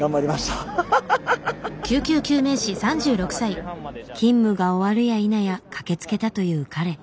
すいません勤務が終わるやいなや駆けつけたという彼。